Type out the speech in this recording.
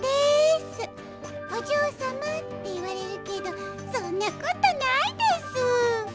「おじょうさま」っていわれるけどそんなことないですぅ。